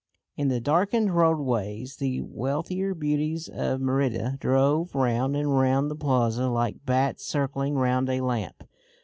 In the darkened roadways the wealthier beauties of Merida drove round and round the plaza like bats circling round a lamp.